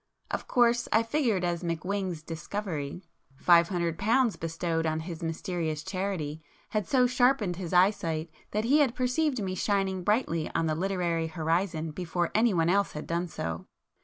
Of course I figured as McWhing's 'discovery,'—five hundred pounds bestowed on his mysterious 'charity' had so sharpened his eyesight that he had perceived me shining brightly on the literary horizon before anyone else had done so.